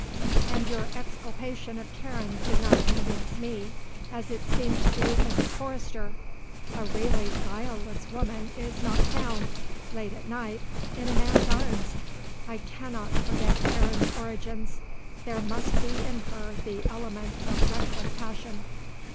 And your exculpation of Karen did not convince me as it seemed to do Mrs. Forrester. A really guileless woman is not found late at night in a man's arms. I cannot forget Karen's origins. There must be in her the element of reckless passion.